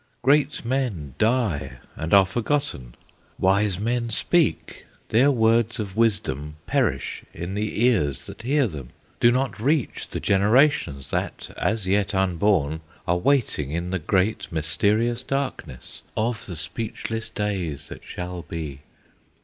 "Great men die and are forgotten, Wise men speak; their words of wisdom Perish in the ears that hear them, Do not reach the generations That, as yet unborn, are waiting In the great, mysterious darkness Of the speechless days that shall be!